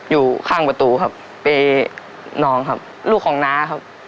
อยู่ข้างประตูครับไปน้องครับลูกของน้าครับ